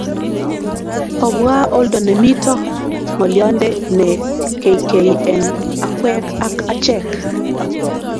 obwa oldo nemito ng'olionde ne keikei eng' akwek ak achek